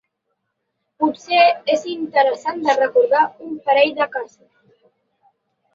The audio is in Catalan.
Potser és interessant de recordar un parell de casos.